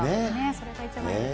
それが一番いいですね。